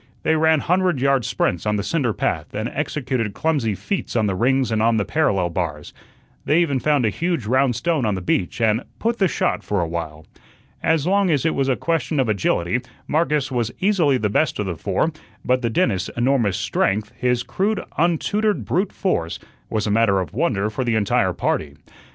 They ran hundred yard sprints on the cinder path and executed clumsy feats on the rings and on the parallel bars. They even found a huge round stone on the beach and "put the shot" for a while. As long as it was a question of agility, Marcus was easily the best of the four; but the dentist's enormous strength, his crude, untutored brute force, was a matter of wonder for the entire party.